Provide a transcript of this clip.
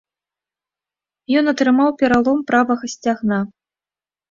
Ён атрымаў пералом правага сцягна.